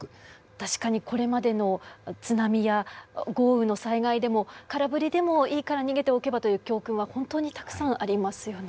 確かにこれまでの津波や豪雨の災害でも空振りでもいいから逃げておけばという教訓は本当にたくさんありますよね。